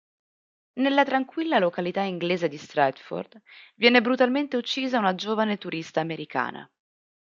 Nella tranquilla località inglese di Stratford viene brutalmente uccisa una giovane turista americana.